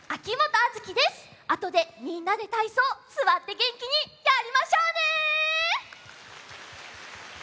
あとでみんなでたいそうすわってげんきにやりましょうね！